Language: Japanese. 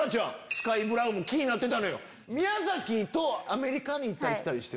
スカイ・ブラウン気になってた。